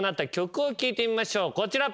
こちら。